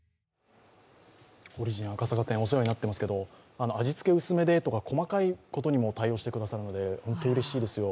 オリジン赤坂店、お世話になってますけど味付け薄めでとか、細かいことにも対応してくださるのでホントうれしいですよ。